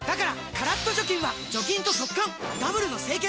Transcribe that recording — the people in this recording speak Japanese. カラッと除菌は除菌と速乾ダブルの清潔！